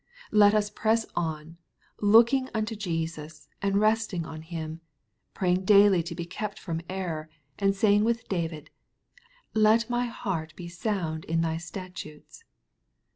Let us press on, looking unto Jesus, and resting on Him, praying daily to be kept from error, and saying with David, "let my heart be sound in thy statutes."